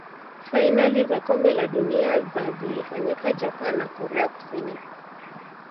fainali za kombe la dunia za zilifanyika japan na korea kusini